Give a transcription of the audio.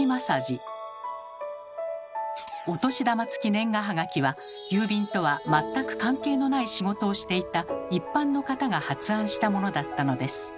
お年玉付き年賀はがきは郵便とは全く関係のない仕事をしていた一般の方が発案したものだったのです。